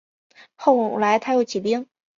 后来他又起兵。